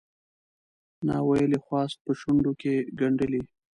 ناویلی خواست په شونډوکې ګنډلی